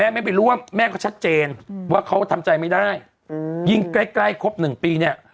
ไม่ไปร่วมแม่ก็ชัดเจนว่าเขาทำใจไม่ได้ยิ่งใกล้ใกล้ครบหนึ่งปีเนี่ย